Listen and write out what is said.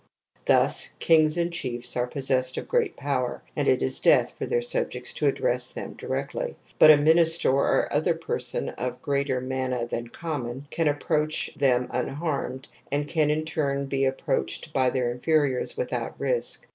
Thus, kings and chiefs are possessed of great power, and it is death for their subjects to address them directly ; but a minister or other person of greater mana than common, can approach them unharmed, and can in turn be approached by THE AMBIVALENCE OF EMOTIONS 85 their inferiors without risk.